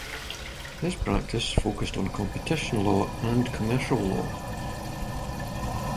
His practice focused on competition law and commercial law.